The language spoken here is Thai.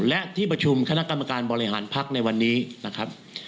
และที่ประชุมคณะกรรมการบริหารพักในวันนี้นะครับ